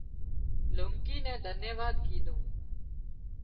لونڪي نين ڌنيواد ڪيڌون